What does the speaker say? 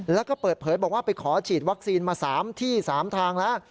แล้วก็เปิดเผยบอกว่าไปขอฉีดวัคซีนมา๓ที่๓ทางแล้ว